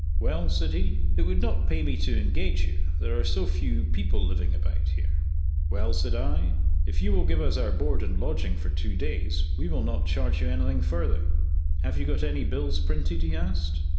"Well," said he, "It would not pay me to engage you. There are so few people living about here." "Well," said I, "If you will give us our board and lodging for two days we will not charge you anything further." "Have you got any bills printed?" he asked.